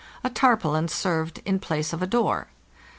<A tarpaulin served in place of a door.